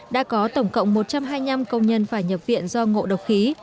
đã có tổng cộng một trăm hai mươi năm công nhân phải nhập viện do ngộ độc khí